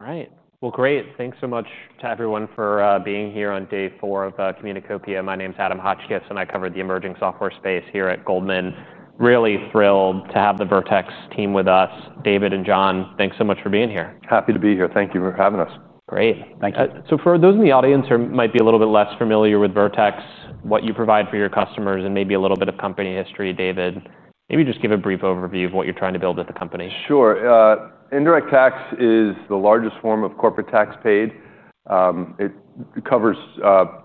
All right. Great. Thanks so much to everyone for being here on day four of Communicopia. My name's Adam Hotchkiss and I cover the emerging software space here at Goldman Sachs. Really thrilled to have the Vertex team with us. David and John, thanks so much for being here. Happy to be here. Thank you for having us. Great. Thank you. For those in the audience who might be a little bit less familiar with Vertex, what you provide for your customers, and maybe a little bit of company history, David, maybe just give a brief overview of what you're trying to build with the company. Sure. Indirect tax is the largest form of corporate tax paid. It covers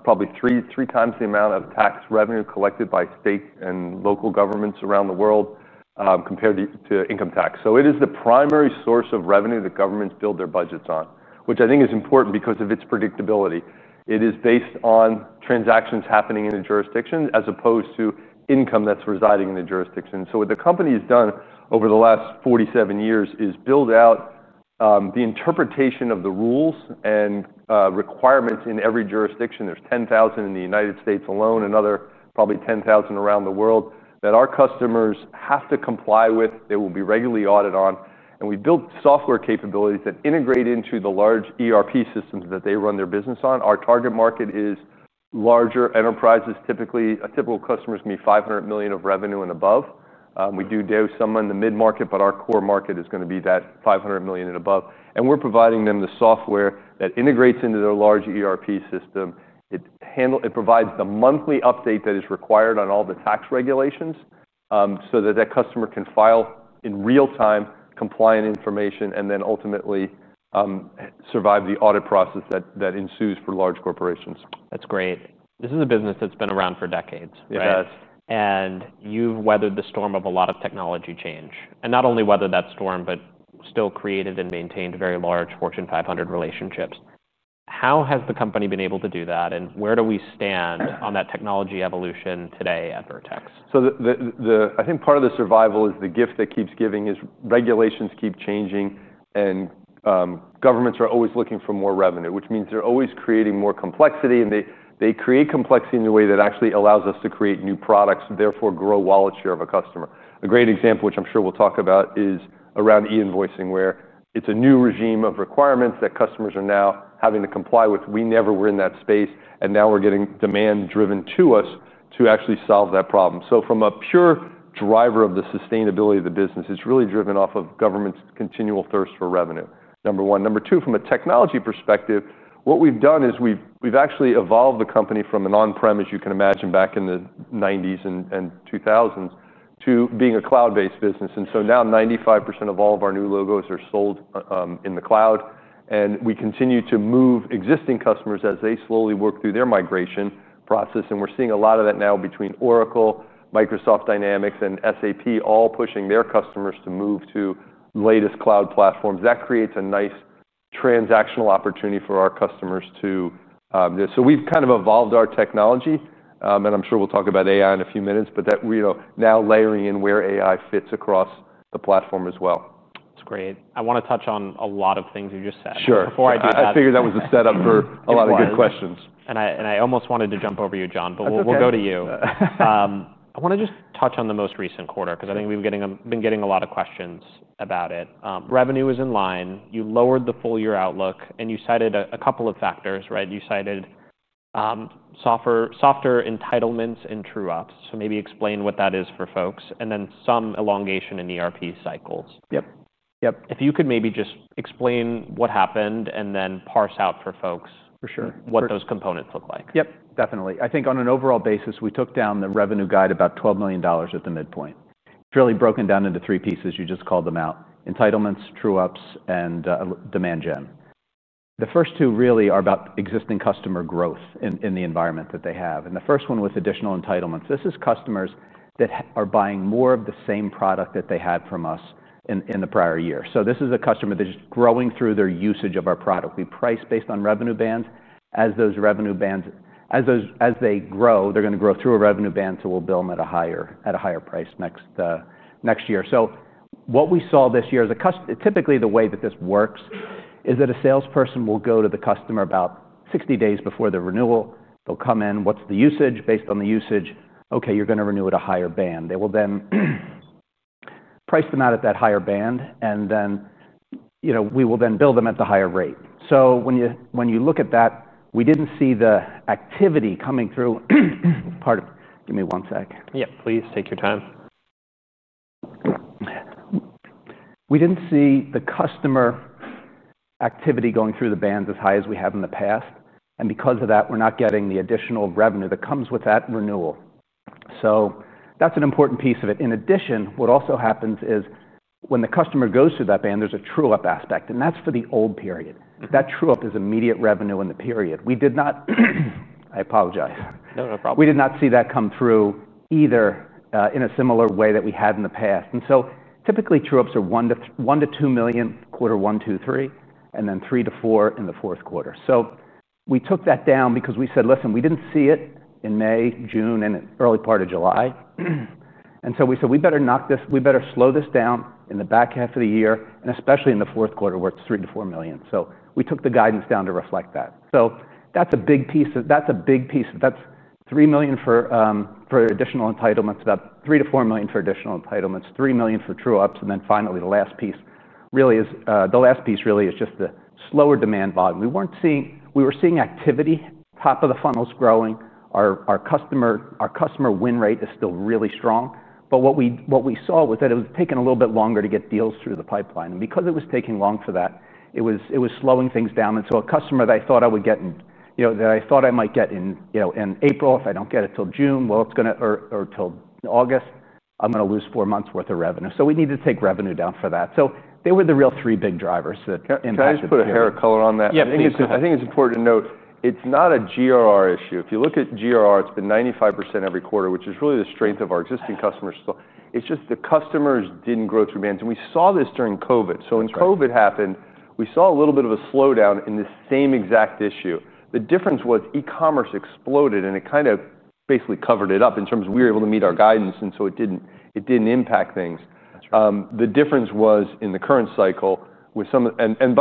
probably three times the amount of tax revenue collected by state and local governments around the world compared to income tax. It is the primary source of revenue that governments build their budgets on, which I think is important because of its predictability. It is based on transactions happening in a jurisdiction as opposed to income that's residing in a jurisdiction. What the company has done over the last 47 years is build out the interpretation of the rules and requirements in every jurisdiction. There are 10,000 in the United States alone, another probably 10,000 around the world that our customers have to comply with. They will be regularly audited on. We build software capabilities that integrate into the large ERP systems that they run their business on. Our target market is larger enterprises. Typically, a typical customer is going to be $500 million of revenue and above. We do deal with some in the mid-market, but our core market is going to be that $500 million and above. We're providing them the software that integrates into their large ERP system. It provides the monthly update that is required on all the tax regulations so that that customer can file in real-time compliant information and then ultimately survive the audit process that ensues for large corporations. That's great. This is a business that's been around for decades. It has. You have weathered the storm of a lot of technology change, not only weathered that storm, but still created and maintained very large Fortune 500 relationships. How has the company been able to do that? Where do we stand on that technology evolution today at Vertex? I think part of the survival is the gift that keeps giving, as regulations keep changing and governments are always looking for more revenue, which means they're always creating more complexity. They create complexity in a way that actually allows us to create new products, therefore grow wallet share of a customer. A great example, which I'm sure we'll talk about, is around e-invoicing, where it's a new regime of requirements that customers are now having to comply with. We never were in that space. Now we're getting demand driven to us to actually solve that problem. From a pure driver of the sustainability of the business, it's really driven off of government's continual thirst for revenue, number one. Number two, from a technology perspective, what we've done is we've actually evolved the company from an on-prem, as you can imagine, back in the 1990s and 2000s to being a cloud-based business. Now 95% of all of our new logos are sold in the cloud. We continue to move existing customers as they slowly work through their migration process. We're seeing a lot of that now between Oracle, Microsoft Dynamics, and SAP, all pushing their customers to move to latest cloud platforms. That creates a nice transactional opportunity for our customers too. We've kind of evolved our technology. I'm sure we'll talk about AI in a few minutes, but that we are now layering in where AI fits across the platform as well. That's great. I want to touch on a lot of things you just said. Sure. Before I do that. I figured that was a setup for a lot of good questions. I almost wanted to jump over you, John, but we'll go to you. I want to just touch on the most recent quarter because I think we've been getting a lot of questions about it. Revenue was in line. You lowered the full-year outlook, and you cited a couple of factors, right? You cited softer entitlements and true-up revenues. Maybe explain what that is for folks, and then some elongation in ERP migration cycles. Yep. Yep. If you could maybe just explain what happened, and then parse out for folks. For sure. What those components look like. Yep. Definitely. I think on an overall basis, we took down the revenue guide about $12 million at the midpoint. It's really broken down into three pieces. You just called them out: entitlements, true-ups, and demand gen. The first two really are about existing customer growth in the environment that they have. The first one was additional entitlements. This is customers that are buying more of the same product that they had from us in the prior year. This is a customer that is growing through their usage of our product. We price based on revenue bands. As those revenue bands, as they grow, they're going to grow through a revenue band. We will bill them at a higher price next year. What we saw this year is typically the way that this works is that a salesperson will go to the customer about 60 days before the renewal. They'll come in. What's the usage? Based on the usage, OK, you're going to renew at a higher band. They will then price them out at that higher band. We will then bill them at the higher rate. When you look at that, we didn't see the activity coming through. Give me one sec. Yeah, please take your time. We didn't see the customer activity going through the bands as high as we have in the past, and because of that, we're not getting the additional revenue that comes with that renewal. That's an important piece of it. In addition, what also happens is when the customer goes through that band, there's a true-up aspect, and that's for the old period. That true-up is immediate revenue in the period. We did not, I apologize. No, no problem. We did not see that come through either in a similar way that we had in the past. Typically, true-ups are $1 million to $2 million, quarter 1, 2, 3, and then $3 million to $4 million in the fourth quarter. We took that down because we said, listen, we didn't see it in May, June, and early part of July. We said, we better knock this. We better slow this down in the back half of the year, especially in the fourth quarter where it's $3 million to $4 million. We took the guidance down to reflect that. That's a big piece of that, $3 million for additional entitlements, about $3 million to $4 million for additional entitlements, $3 million for true-ups. Finally, the last piece really is just the slower demand volume. We weren't seeing, we were seeing activity, top of the funnel is growing. Our customer win rate is still really strong. What we saw was that it was taking a little bit longer to get deals through the pipeline. Because it was taking longer for that, it was slowing things down. A customer that I thought I would get in, that I thought I might get in April, if I don't get it till June, or till August, I'm going to lose four months' worth of revenue. We need to take revenue down for that. They were the real three big drivers. Can I just put a hair of color on that? Yeah. I think it's important to note, it's not a GRR issue. If you look at GRR, it's been 95% every quarter, which is really the strength of our existing customers. It's just the customers didn't grow through bands. We saw this during COVID. When COVID happened, we saw a little bit of a slowdown in the same exact issue. The difference was e-commerce exploded. It basically covered it up in terms of we were able to meet our guidance, so it didn't impact things. The difference was in the current cycle. By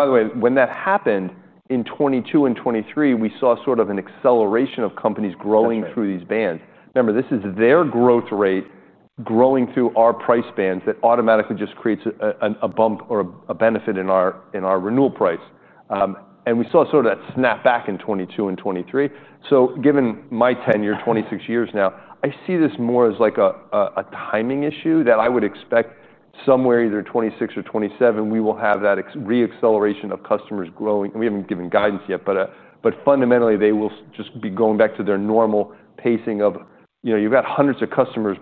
the way, when that happened in 2022 and 2023, we saw sort of an acceleration of companies growing through these bands. Remember, this is their growth rate growing through our price bands that automatically just creates a bump or a benefit in our renewal price. We saw sort of that snap back in 2022 and 2023. Given my tenure, 26 years now, I see this more as like a timing issue that I would expect somewhere either 2026 or 2027, we will have that re-acceleration of customers growing. We haven't given guidance yet. Fundamentally, they will just be going back to their normal pacing of, you've got hundreds of customers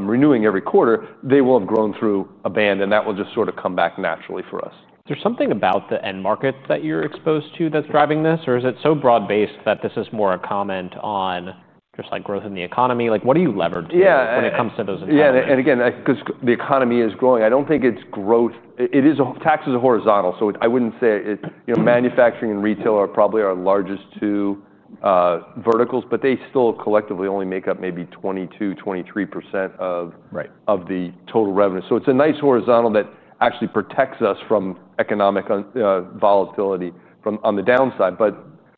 renewing every quarter. They will have grown through a band, and that will just sort of come back naturally for us. Is there something about the end market that you're exposed to that's driving this? Or is it so broad-based that this is more a comment on just like growth in the economy? What do you leverage when it comes to those entitlements? Yeah, because the economy is growing, I don't think it's growth. Tax is a horizontal. I wouldn't say it. Manufacturing and retail are probably our largest two verticals, but they still collectively only make up maybe 22% or 23% of the total revenue. It's a nice horizontal that actually protects us from economic volatility on the downside.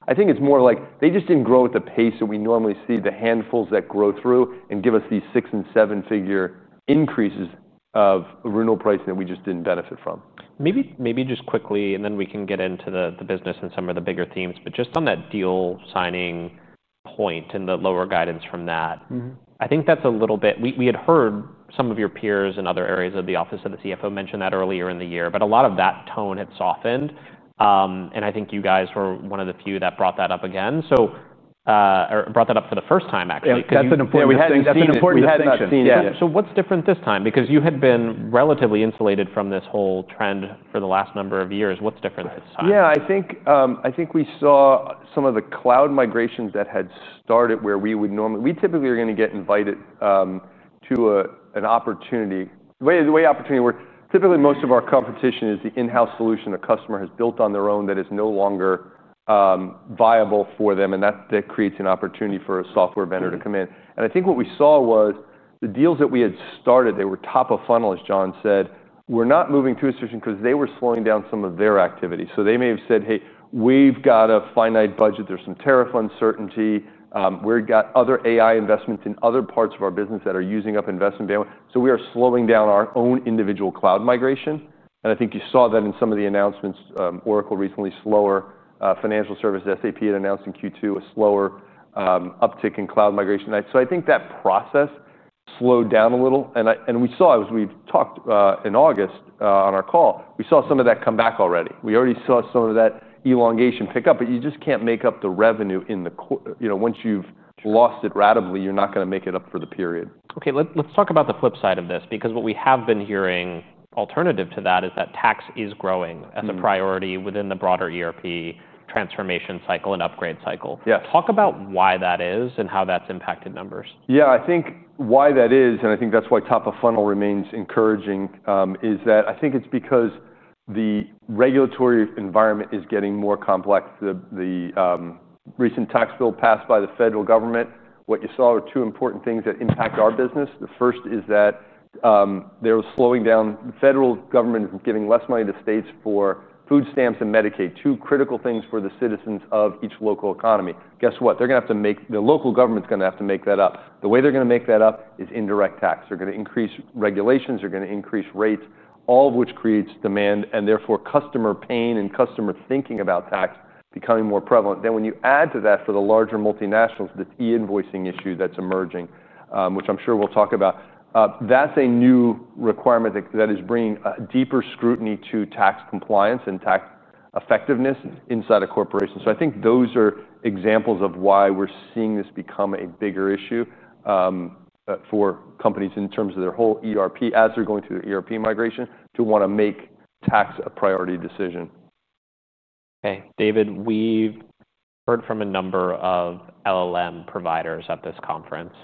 I think it's more like they just didn't grow at the pace that we normally see, the handfuls that grow through and give us these six and seven-figure increases of renewal pricing that we just didn't benefit from. Maybe just quickly, and then we can get into the business and some of the bigger themes. Just on that deal signing point and the lower guidance from that, I think that's a little bit, we had heard some of your peers in other areas of the office, so the CFO mentioned that earlier in the year. A lot of that tone had softened. I think you guys were one of the few that brought that up again. Brought that up for the first time, actually. That's an important thing. We hadn't actually seen that. What's different this time? You had been relatively insulated from this whole trend for the last number of years. What's different this time? Yeah, I think we saw some of the cloud migration that had started where we would normally, we typically are going to get invited to an opportunity. The way opportunity works, typically most of our competition is the in-house solution a customer has built on their own that is no longer viable for them. That creates an opportunity for a software vendor to come in. I think what we saw was the deals that we had started, they were top of funnel, as John said. We're not moving to a solution because they were slowing down some of their activity. They may have said, hey, we've got a finite budget. There's some tariff uncertainty. We've got other AI investments in other parts of our business that are using up investment bandwidth. We are slowing down our own individual cloud migration. I think you saw that in some of the announcements. Oracle recently slower. Financial Services, SAP, had announced in Q2 a slower uptick in cloud migration. I think that process slowed down a little. We saw, as we've talked in August on our call, we saw some of that come back already. We already saw some of that elongation pick up. You just can't make up the revenue in the, once you've lost it radically, you're not going to make it up for the period. OK, let's talk about the flip side of this. Because what we have been hearing alternative to that is that tax is growing as a priority within the broader ERP transformation cycle and upgrade cycle. Yeah. Talk about why that is and how that's impacted numbers. Yeah, I think why that is, and I think that's why top of funnel remains encouraging, is that I think it's because the regulatory environment is getting more complex. The recent tax bill passed by the federal government, what you saw were two important things that impact our business. The first is that they're slowing down the federal government from giving less money to states for food stamps and Medicaid, two critical things for the citizens of each local economy. Guess what? They're going to have to make, the local government's going to have to make that up. The way they're going to make that up is indirect tax. They're going to increase regulations. They're going to increase rates, all of which creates demand and therefore customer pain and customer thinking about tax becoming more prevalent. When you add to that for the larger multinationals, this e-invoicing issue that's emerging, which I'm sure we'll talk about, that's a new requirement that is bringing deeper scrutiny to tax compliance and tax effectiveness inside a corporation. I think those are examples of why we're seeing this become a bigger issue for companies in terms of their whole ERP as they're going through the ERP migration to want to make tax a priority decision. OK, David, we've heard from a number of LLM providers at this conference.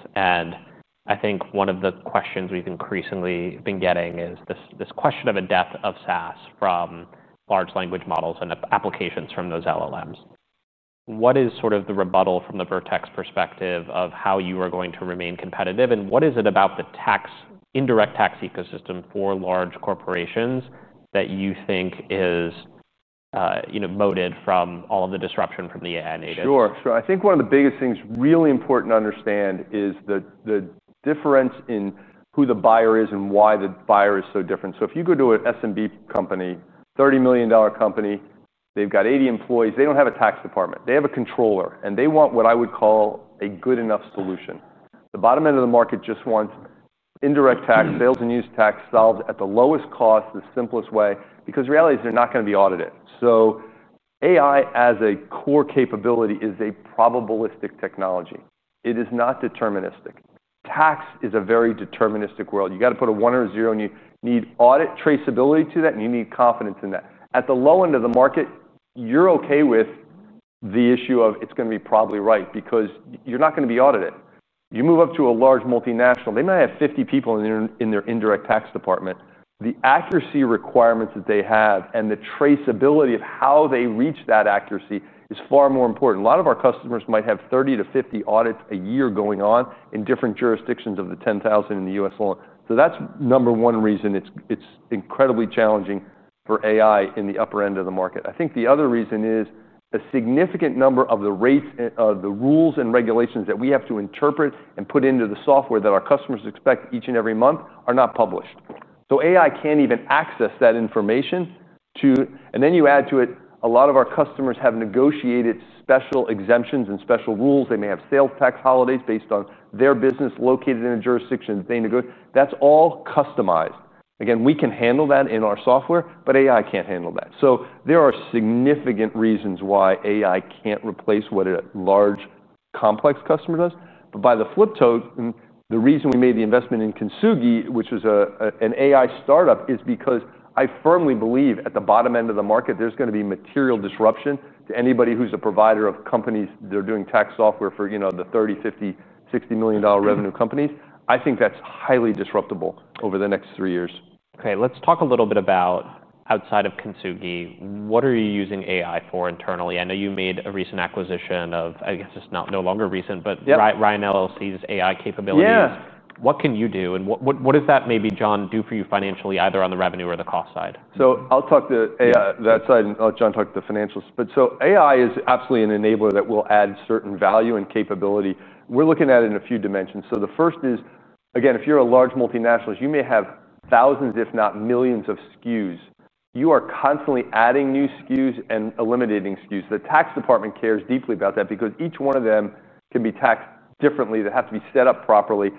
I think one of the questions we've increasingly been getting is this question of a depth of SaaS from large language models and applications from those LLMs. What is sort of the rebuttal from the Vertex perspective of how you are going to remain competitive? What is it about the indirect tax ecosystem for large corporations that you think is moated from all of the disruption from the AI native? Sure. I think one of the biggest things really important to understand is the difference in who the buyer is and why the buyer is so different. If you go to an SMB company, a $30 million company, they've got 80 employees. They don't have a tax department. They have a controller. They want what I would call a good enough solution. The bottom end of the market just wants indirect tax, sales and use tax solved at the lowest cost, the simplest way. The reality is they're not going to be audited. AI as a core capability is a probabilistic technology. It is not deterministic. Tax is a very deterministic world. You've got to put a 1 or 0. You need audit traceability to that. You need confidence in that. At the low end of the market, you're OK with the issue of it's going to be probably right because you're not going to be audited. You move up to a large multinational. They might have 50 people in their indirect tax department. The accuracy requirements that they have and the traceability of how they reach that accuracy is far more important. A lot of our customers might have 30 to 50 audits a year going on in different jurisdictions of the 10,000 in the U.S. alone. That's number one reason it's incredibly challenging for AI in the upper end of the market. I think the other reason is a significant number of the rules and regulations that we have to interpret and put into the software that our customers expect each and every month are not published. AI can't even access that information. You add to it, a lot of our customers have negotiated special exemptions and special rules. They may have sales tax holidays based on their business located in a jurisdiction that they negotiate. That's all customized. We can handle that in our software. AI can't handle that. There are significant reasons why AI can't replace what a large, complex customer does. By the flip, the reason we made the investment in Kintsugi, which was an AI startup, is because I firmly believe at the bottom end of the market, there's going to be material disruption to anybody who's a provider of companies that are doing tax software for the $30, $50, $60 million revenue companies. I think that's highly disruptible over the next three years. OK, let's talk a little bit about outside of Kintsugi, what are you using AI for internally? I know you made a recent acquisition of, I guess it's not no longer recent, but Ryan LLC's AI capabilities. Yeah. What can you do? What does that maybe, John, do for you financially, either on the revenue or the cost side? I'll talk to AI that side. John will talk to the financials. AI is absolutely an enabler that will add certain value and capability. We're looking at it in a few dimensions. The first is, again, if you're a large multinational, you may have thousands, if not millions, of SKUs. You are constantly adding new SKUs and eliminating SKUs. The tax department cares deeply about that because each one of them can be taxed differently. They have to be set up properly.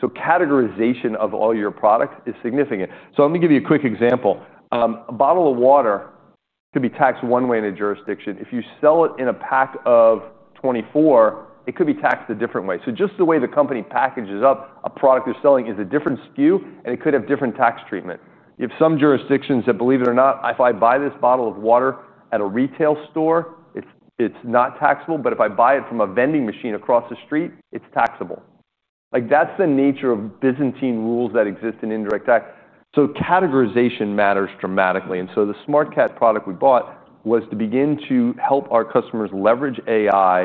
Categorization of all your products is significant. Let me give you a quick example. A bottle of water could be taxed one way in a jurisdiction. If you sell it in a pack of 24, it could be taxed a different way. Just the way the company packages up a product they're selling is a different SKU, and it could have different tax treatment. You have some jurisdictions that, believe it or not, if I buy this bottle of water at a retail store, it's not taxable, but if I buy it from a vending machine across the street, it's taxable. That's the nature of Byzantine rules that exist in indirect tax. Categorization matters dramatically. The SmartCat product we bought was to begin to help our customers leverage AI,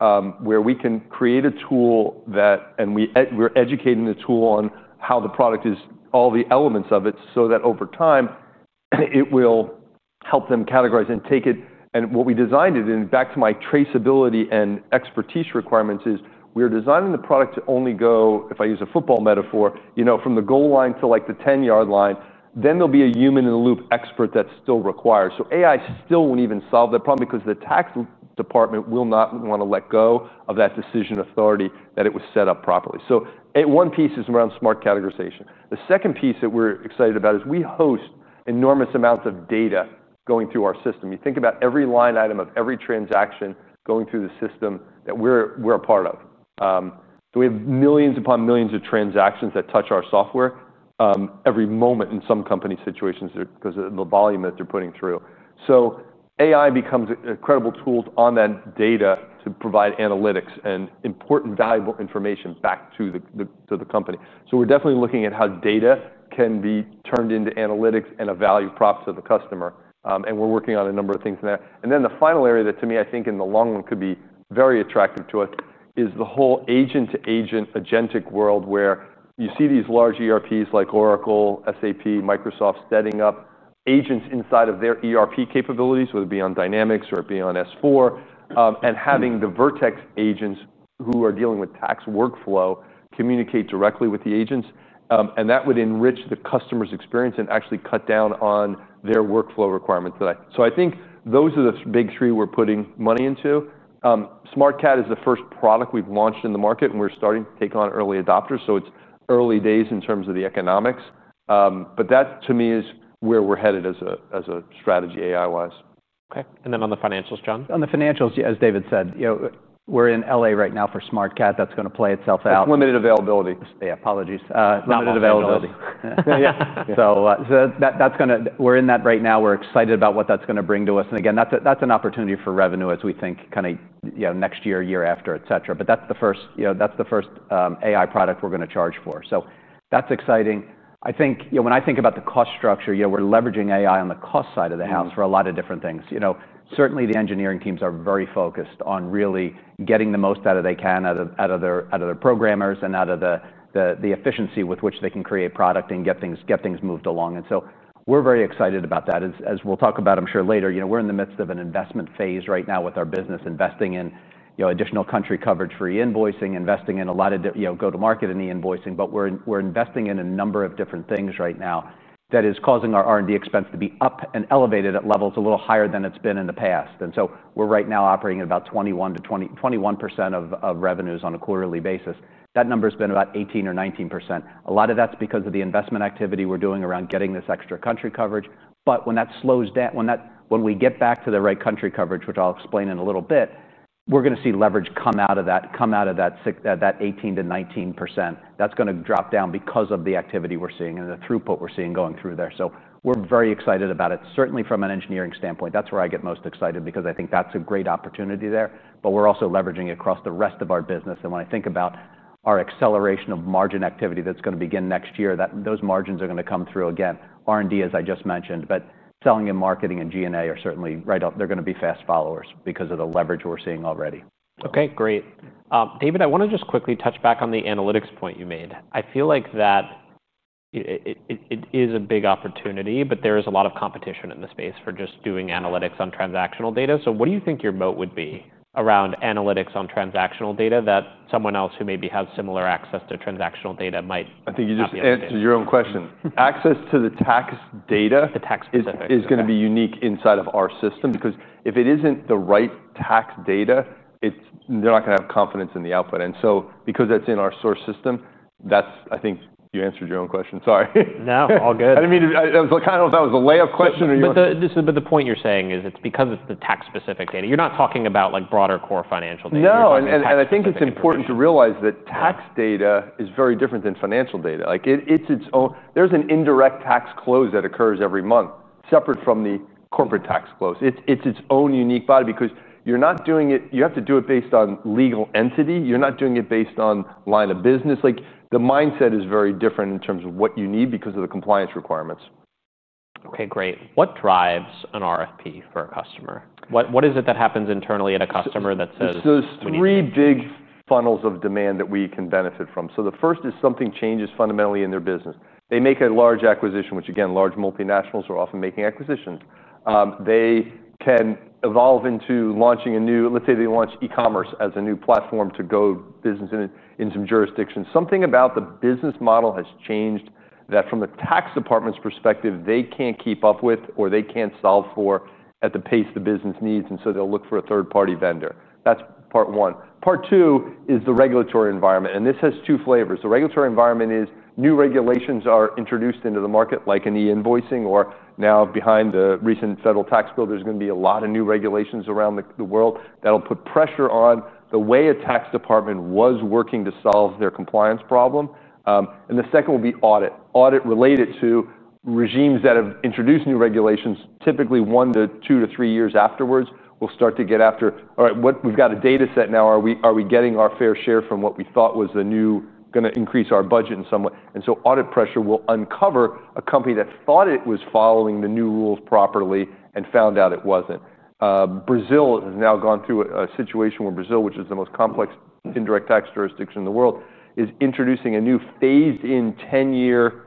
where we can create a tool that, and we're educating the tool on how the product is, all the elements of it, so that over time, it will help them categorize and take it. What we designed it in, back to my traceability and expertise requirements, is we're designing the product to only go, if I use a football metaphor, from the goal line to like the 10-yard line. There will be a human-in-the-loop expert that's still required. AI still won't even solve that problem because the tax department will not want to let go of that decision authority that it was set up properly. One piece is around smart categorization. The second piece that we're excited about is we host enormous amounts of data going through our system. You think about every line item of every transaction going through the system that we're a part of. We have millions upon millions of transactions that touch our software every moment in some company situations because of the volume that they're putting through. AI becomes incredible tools on that data to provide analytics and important, valuable information back to the company. We're definitely looking at how data can be turned into analytics and a value prop to the customer. We're working on a number of things in that. The final area that, to me, I think in the long run could be very attractive to us is the whole agent-to-agent, agentic world where you see these large ERPs like Oracle, SAP, Microsoft setting up agents inside of their ERP capabilities, whether it be on Dynamics or it be on S/4, and having the Vertex agents who are dealing with tax workflow communicate directly with the agents. That would enrich the customer's experience and actually cut down on their workflow requirements today. I think those are the big three we're putting money into. SmartCat is the first product we've launched in the market, and we're starting to take on early adopters. It's early days in terms of the economics. That, to me, is where we're headed as a strategy, AI-wise. OK. On the financials, John? On the financials, as David said, you know, we're in L.A. right now for SmartCat. That's going to play itself out. Limited availability. Apologies. Limited availability. Yeah. So that's going to, we're in that right now. We're excited about what that's going to bring to us. Again, that's an opportunity for revenue as we think kind of next year, year after, etc. That's the first AI product we're going to charge for, so that's exciting. I think when I think about the cost structure, we're leveraging AI on the cost side of the house for a lot of different things. Certainly, the engineering teams are very focused on really getting the most out of they can, out of their programmers, and out of the efficiency with which they can create product and get things moved along. We're very excited about that. As we'll talk about, I'm sure, later, we're in the midst of an investment phase right now with our business, investing in additional country coverage for e-invoicing, investing in a lot of go-to-market and e-invoicing. We're investing in a number of different things right now that is causing our R&D expense to be up and elevated at levels a little higher than it's been in the past. We're right now operating at about 21% of revenues on a quarterly basis. That number has been about 18% or 19%. A lot of that's because of the investment activity we're doing around getting this extra country coverage. When that slows down, when we get back to the right country coverage, which I'll explain in a little bit, we're going to see leverage come out of that, come out of that 18% to 19%. That's going to drop down because of the activity we're seeing and the throughput we're seeing going through there. We're very excited about it. Certainly, from an engineering standpoint, that's where I get most excited because I think that's a great opportunity there. We're also leveraging it across the rest of our business. When I think about our acceleration of margin activity that's going to begin next year, those margins are going to come through again. R&D, as I just mentioned, but selling and marketing and G&A are certainly right up. They're going to be fast followers because of the leverage we're seeing already. OK, great. David, I want to just quickly touch back on the analytics point you made. I feel like that is a big opportunity. There is a lot of competition in the space for just doing analytics on transactional data. What do you think your moat would be around analytics on transactional data that someone else who maybe has similar access to transactional data might? I think you just answered your own question. Access to the tax data. The tax data. Is going to be unique inside of our system because if it isn't the right tax data, they're not going to have confidence in the output. Because that's in our source system, that's, I think you answered your own question. Sorry. No, all good. I mean, I kind of don't know if that was a layup question or yours. The point you're saying is it's because it's the tax-specific data. You're not talking about like broader core financial data. No. I think it's important to realize that tax data is very different than financial data. It's its own, there's an indirect tax close that occurs every month separate from the corporate tax close. It's its own unique body because you're not doing it, you have to do it based on legal entity. You're not doing it based on line of business. The mindset is very different in terms of what you need because of the compliance requirements. OK, great. What drives an RFP for a customer? What is it that happens internally at a customer that says? There are three big funnels of demand that we can benefit from. The first is something changes fundamentally in their business. They make a large acquisition, which, again, large multinationals are often making acquisitions. They can evolve into launching a new, let's say they launch e-commerce as a new platform to do business in some jurisdictions. Something about the business model has changed that from the tax department's perspective, they can't keep up with or they can't solve for at the pace the business needs. They'll look for a third-party vendor. That's part one. Part two is the regulatory environment. This has two flavors. The regulatory environment is new regulations are introduced into the market, like in e-invoicing. Now behind the recent federal tax bill, there's going to be a lot of new regulations around the world that'll put pressure on the way a tax department was working to solve their compliance problem. The second will be audit. Audit related to regimes that have introduced new regulations, typically one to three years afterwards, will start to get after, all right, we've got a data set now. Are we getting our fair share from what we thought was going to increase our budget in some way? Audit pressure will uncover a company that thought it was following the new rules properly and found out it wasn't. Brazil has now gone through a situation where Brazil, which is the most complex indirect tax jurisdiction in the world, is introducing a new phased-in 10-year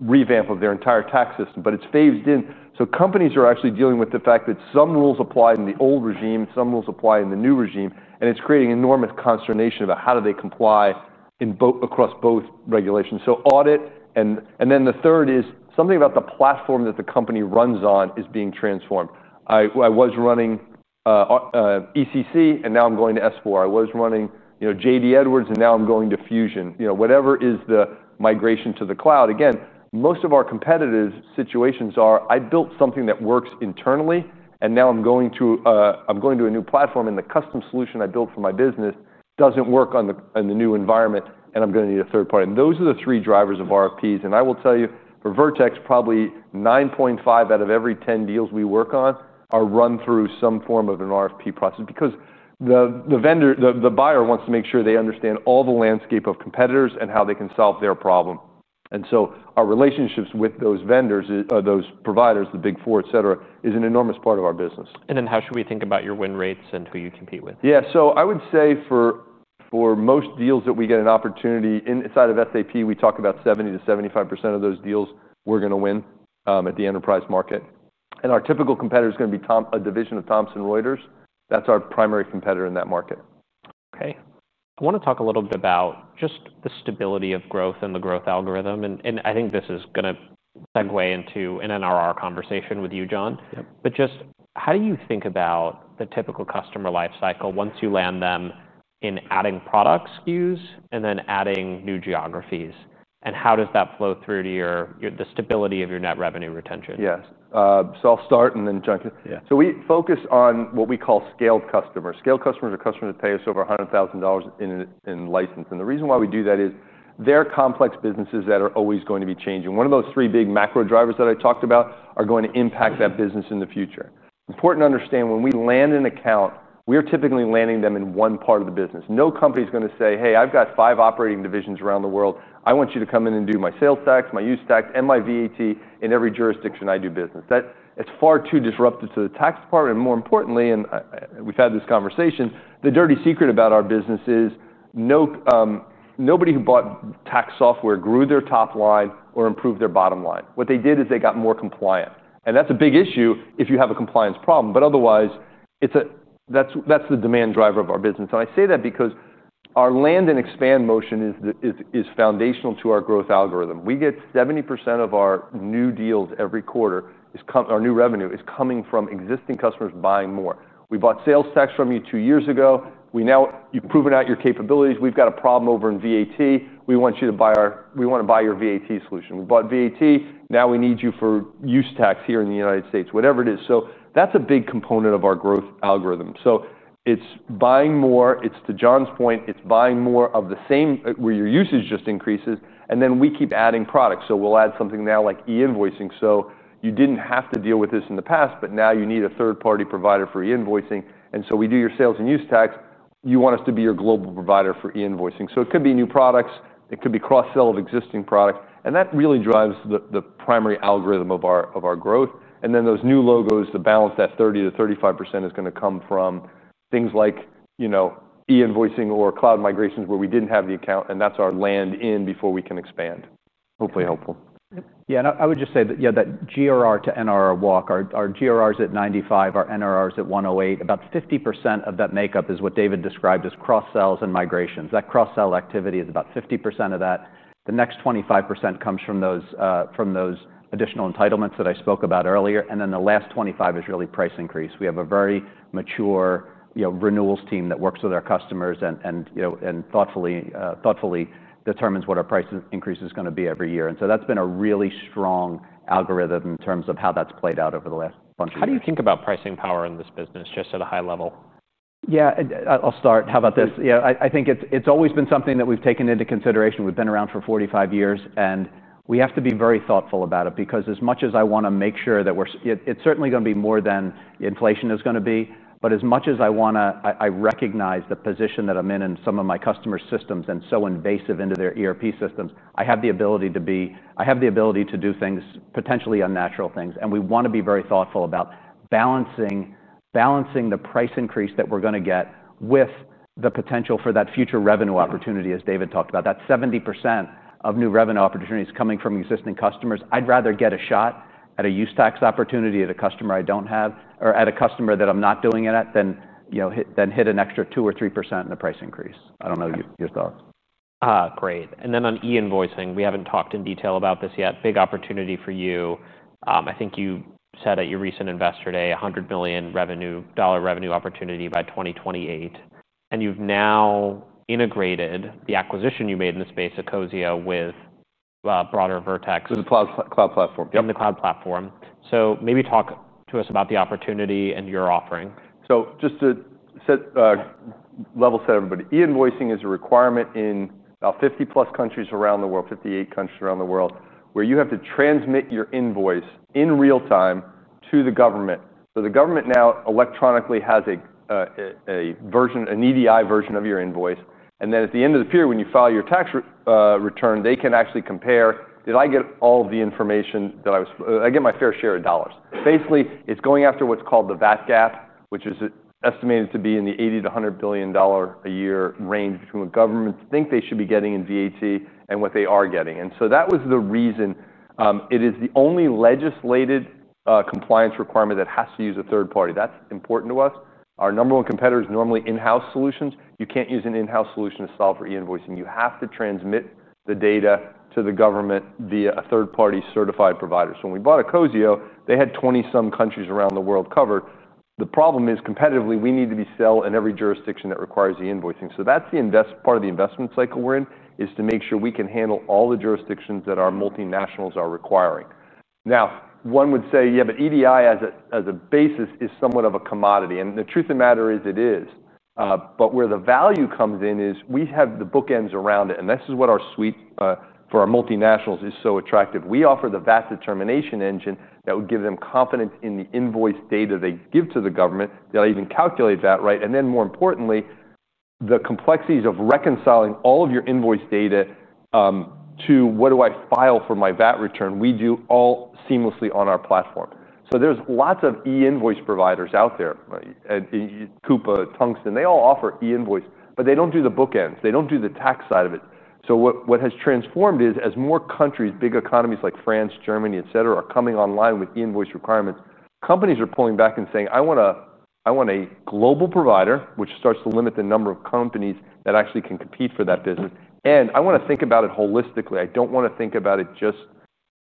revamp of their entire tax system. It's phased in, so companies are actually dealing with the fact that some rules apply in the old regime, some rules apply in the new regime. It's creating enormous consternation about how they comply across both regulations. Audit. The third is something about the platform that the company runs on is being transformed. I was running ECC, and now I'm going to S/4. I was running JD Edwards, and now I'm going to Fusion. Whatever is the migration to the cloud. Most of our competitive situations are, I built something that works internally, and now I'm going to a new platform. The custom solution I built for my business doesn't work in the new environment, and I'm going to need a third party. Those are the three drivers of RFPs. I will tell you, for Vertex, probably 9.5 out of every 10 deals we work on are run through some form of an RFP process because the buyer wants to make sure they understand all the landscape of competitors and how they can solve their problem. Our relationships with those vendors or those providers, the Big Four, et cetera, is an enormous part of our business. How should we think about your win rates and who you compete with? I would say for most deals that we get an opportunity inside of SAP, we talk about 70% to 75% of those deals we're going to win at the enterprise market. Our typical competitor is going to be a division of Thomson Reuters. That's our primary competitor in that market. OK. I want to talk a little bit about just the stability of growth and the growth algorithm. I think this is going to segue into an NRR conversation with you, John. Just how do you think about the typical customer lifecycle once you land them in adding product SKUs and then adding new geographies? How does that flow through to the stability of your net revenue retention? Yes. I'll start and then jump in. Yeah. We focus on what we call scaled customers. Scaled customers are customers that pay us over $100,000 in license. The reason why we do that is they're complex businesses that are always going to be changing. One of those three big macro drivers that I talked about are going to impact that business in the future. It's important to understand when we land an account, we are typically landing them in one part of the business. No company is going to say, hey, I've got five operating divisions around the world. I want you to come in and do my sales tax, my use tax, and my VAT in every jurisdiction I do business. That is far too disruptive to the tax department. More importantly, and we've had this conversation, the dirty secret about our business is nobody who bought tax software grew their top line or improved their bottom line. What they did is they got more compliant. That's a big issue if you have a compliance problem. Otherwise, that's the demand driver of our business. I say that because our land-and-expand motion is foundational to our growth algorithm. We get 70% of our new deals every quarter. Our new revenue is coming from existing customers buying more. We bought sales tax from you two years ago. You've proven out your capabilities. We've got a problem over in VAT. We want to buy your VAT solution. We bought VAT. Now we need you for use tax here in the United States, whatever it is. That's a big component of our growth algorithm. It's buying more. To John's point, it's buying more of the same where your usage just increases. We keep adding products. We'll add something now like e-invoicing. You didn't have to deal with this in the past, but now you need a third-party provider for e-invoicing. We do your sales and use tax. You want us to be your global provider for e-invoicing. It could be new products. It could be cross-sell of existing products. That really drives the primary algorithm of our growth. Those new logos, the balance, that 30% to 35% is going to come from things like e-invoicing or cloud migrations where we didn't have the account. That's our land in before we can expand. Hopefully helpful. Yeah, I would just say that GRR to NRR walk, our GRR is at 95%, our NRR is at 108%. About 50% of that makeup is what David described as cross-sells and migrations. That cross-sell activity is about 50% of that. The next 25% comes from those additional entitlements that I spoke about earlier. The last 25% is really price increase. We have a very mature renewals team that works with our customers and thoughtfully determines what our price increase is going to be every year. That's been a really strong algorithm in terms of how that's played out over the last bunch of years. How do you think about pricing power in this business, just at a high level? Yeah, I'll start. How about this? I think it's always been something that we've taken into consideration. We've been around for 45 years, and we have to be very thoughtful about it. As much as I want to make sure that we're, it's certainly going to be more than inflation is going to be. As much as I want to, I recognize the position that I'm in in some of my customer systems and so invasive into their ERP systems, I have the ability to be, I have the ability to do things, potentially unnatural things. We want to be very thoughtful about balancing the price increase that we're going to get with the potential for that future revenue opportunity, as David talked about. That 70% of new revenue opportunities coming from existing customers, I'd rather get a shot at a use tax opportunity at a customer I don't have or at a customer that I'm not doing it at than hit an extra 2% or 3% in the price increase. I don't know your thoughts. Great. On e-invoicing, we haven't talked in detail about this yet. Big opportunity for you. I think you said at your recent Investor Day, $100 million revenue opportunity by 2028. You've now integrated the acquisition you made in the space, ECOS, with a broader Vertex. With the cloud platform. You're on the cloud platform. Maybe talk to us about the opportunity and your offering. Just to level set everybody, e-invoicing is a requirement in about 50-plus countries around the world, 58 countries around the world, where you have to transmit your invoice in real time to the government. The government now electronically has an EDI version of your invoice. At the end of the period, when you file your tax return, they can actually compare, did I get all of the information that I was, did I get my fair share of dollars? Basically, it's going after what's called the VAT gap, which is estimated to be in the $80 billion to $100 billion a year range from what governments think they should be getting in VAT and what they are getting. That was the reason. It is the only legislated compliance requirement that has to use a third party. That's important to us. Our number one competitor is normally in-house solutions. You can't use an in-house solution to solve for e-invoicing. You have to transmit the data to the government via a third-party certified provider. When we bought ECOS, they had 20-some countries around the world covered. The problem is, competitively, we need to be selling in every jurisdiction that requires e-invoicing. That's the part of the investment cycle we're in, to make sure we can handle all the jurisdictions that our multinationals are requiring. One would say, yeah, but EDI as a basis is somewhat of a commodity. The truth of the matter is it is. Where the value comes in is we have the bookends around it. This is what our suite for our multinationals is so attractive. We offer the VAT determination engine that would give them confidence in the invoice data they give to the government. They'll even calculate that, right? More importantly, the complexities of reconciling all of your invoice data to what do I file for my VAT return, we do all seamlessly on our platform. There are lots of e-invoice providers out there. Coupa, Tungsten, they all offer e-invoice. They don't do the bookends. They don't do the tax side of it. What has transformed is as more countries, big economies like France, Germany, et cetera, are coming online with e-invoice requirements, companies are pulling back and saying, I want a global provider, which starts to limit the number of companies that actually can compete for that business. I want to think about it holistically. I don't want to think about it just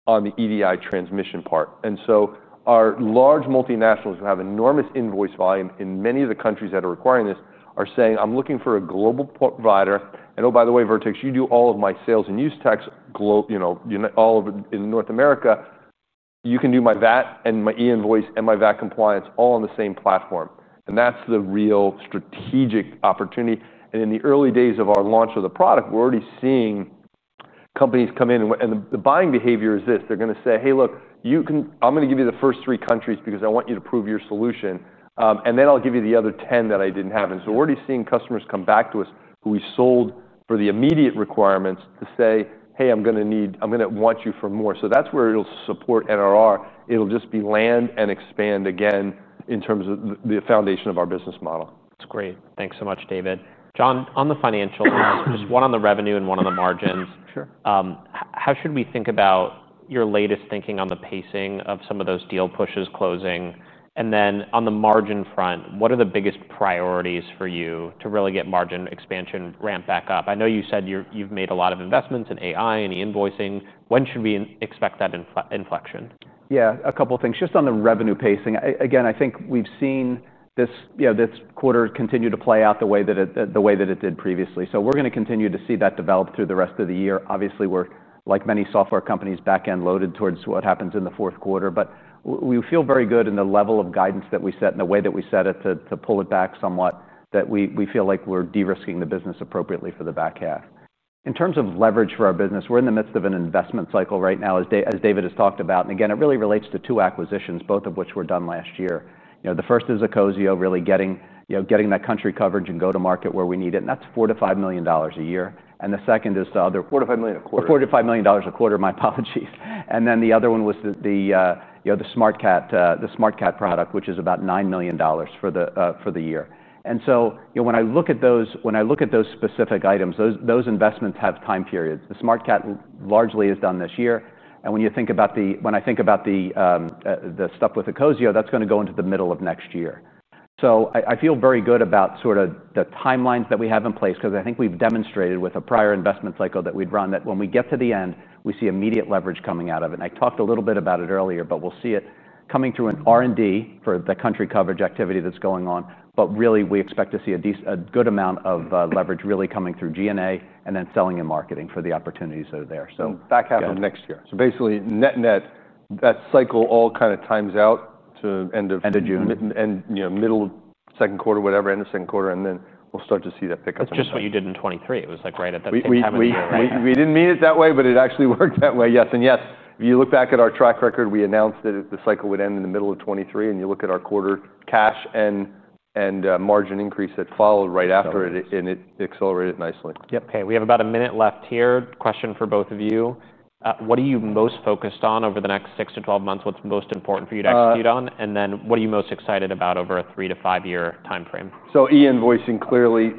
on the EDI transmission part. Our large multinationals who have enormous invoice volume in many of the countries that are requiring this are saying, I'm looking for a global provider. By the way, Vertex, you do all of my sales and use tax in North America. You can do my VAT and my e-invoice and my VAT compliance all on the same platform. That's the real strategic opportunity. In the early days of our launch of the product, we're already seeing companies come in. The buying behavior is this: they're going to say, hey, look, I'm going to give you the first three countries because I want you to prove your solution. Then I'll give you the other 10 that I didn't have. We're already seeing customers come back to us who we sold for the immediate requirements to say, hey, I'm going to want you for more. That will support NRR. It will just be land-and-expand again in terms of the foundation of our business model. That's great. Thanks so much, David. John, on the financials, just one on the revenue and one on the margins. Sure. How should we think about your latest thinking on the pacing of some of those deal pushes closing? On the margin front, what are the biggest priorities for you to really get margin expansion ramped back up? I know you said you've made a lot of investments in AI and e-invoicing. When should we expect that inflection? Yeah, a couple of things. Just on the revenue pacing, again, I think we've seen this quarter continue to play out the way that it did previously. We're going to continue to see that develop through the rest of the year. Obviously, we're, like many software companies, back-end loaded towards what happens in the fourth quarter. We feel very good in the level of guidance that we set and the way that we set it. To pull it back somewhat, we feel like we're de-risking the business appropriately for the back half. In terms of leverage for our business, we're in the midst of an investment cycle right now, as David has talked about. It really relates to two acquisitions, both of which were done last year. The first is ECOS, really getting that country coverage and go-to-market where we need it, and that's $4 to $5 million a year. The second is the other. $4 to $5 million a quarter. $4 to $5 million a quarter. My apologies. The other one was the SmartCat product, which is about $9 million for the year. When I look at those specific items, those investments have time periods. The SmartCat largely is done this year. When I think about the stuff with ECOS, that's going to go into the middle of next year. I feel very good about sort of the timelines that we have in place. I think we've demonstrated with a prior investment cycle that we'd run that when we get to the end, we see immediate leverage coming out of it. I talked a little bit about it earlier. We'll see it coming through in R&D for the country coverage activity that's going on. We expect to see a good amount of leverage really coming through G&A and then selling and marketing for the opportunities that are there. Back half of next year. Basically, net-net, that cycle all kind of times out to end of. End of June. End of second quarter, whatever, end of second quarter. Then we'll start to see that pick up. That's just what you did in 2023. It was right at that time of year, right? We didn't mean it that way, but it actually worked that way. Yes. Yes, if you look back at our track record, we announced that the cycle would end in the middle of 2023, and you look at our quarter cash and margin increase that followed right after it, it accelerated nicely. Yep. Hey, we have about a minute left here. Question for both of you. What are you most focused on over the next 6 to 12 months? What's most important for you to execute on? What are you most excited about over a three to five-year time frame? E-invoicing, clearly,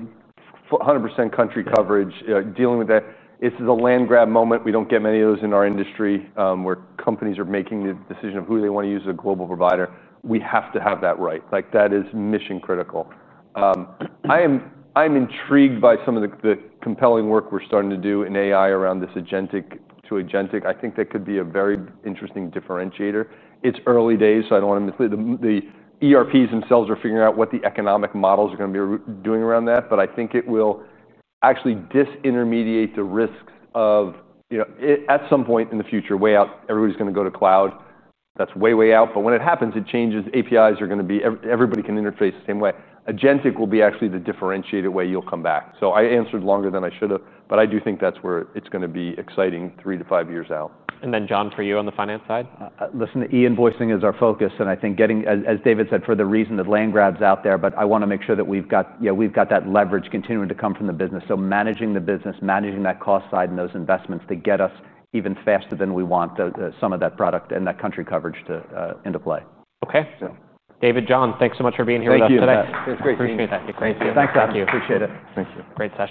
100% country coverage, dealing with that. This is a land-grab moment. We don't get many of those in our industry, where companies are making the decision of who they want to use as a global provider. We have to have that right. That is mission critical. I am intrigued by some of the compelling work we're starting to do in AI around this agentic to agentic. I think that could be a very interesting differentiator. It's early days. I don't want to mislead. The ERPs themselves are figuring out what the economic models are going to be doing around that. I think it will actually disintermediate the risks of, at some point in the future, way out, everybody's going to go to cloud. That's way, way out. When it happens, it changes. APIs are going to be, everybody can interface the same way. Agentic will be actually the differentiated way you'll come back. I answered longer than I should have. I do think that's where it's going to be exciting three to five years out. John, for you on the finance side? Listen, e-invoicing is our focus. I think getting, as David said, for the reason that land grabs out there. I want to make sure that we've got that leverage continuing to come from the business. Managing the business, managing that cost side and those investments to get us even faster than we want some of that product and that country coverage into play. OK. Yeah. David, John, thanks so much for being here with us today. Thank you. Appreciate that. Thank you. Thanks, John. Thank you. Appreciate it. Thank you. Great stuff.